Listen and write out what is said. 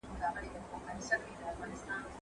موږ د عادلانه ټولني جوړولو هڅه کړې ده.